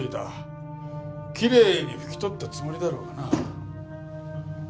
きれいに拭き取ったつもりだろうがな。